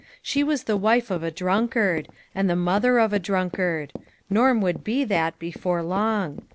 She was the wife of a drunkard ; and the mother of a drunk ard ; Norm would be that, before long.